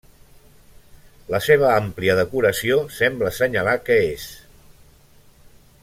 La seva àmplia decoració sembla assenyalar que és.